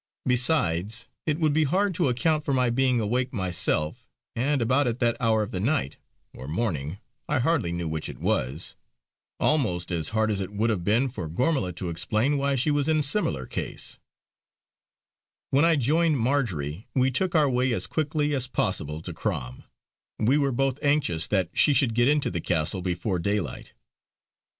Besides it would be hard to account for my being awake myself and about at that hour of the night or morning, I hardly knew which it was. Almost as hard as it would have been for Gormala to explain why she was in similar case. When I joined Marjory, we took our way as quickly as possible to Crom; we were both anxious that she should get into the castle before daylight.